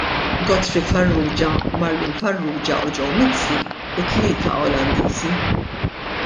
Godfrey Farrugia, Marlene Farrugia u Joe Mizzi, it-tlieta Olandiżi.